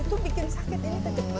itu bikin sakit ini